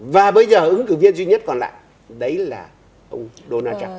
và bây giờ ứng cử viên duy nhất còn lại đấy là ông donald trump